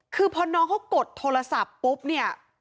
คือพอน้องเขากดโทรศัพท์ปุ๊บเนี่ย